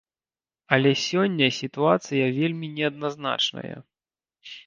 Але сёння сітуацыя вельмі неадназначная.